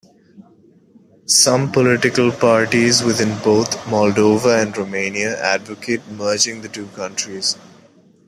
Some political parties within both Moldova and Romania advocate merging the two countries.